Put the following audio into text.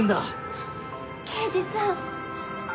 刑事さん！